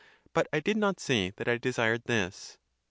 But I did not say that I desired this.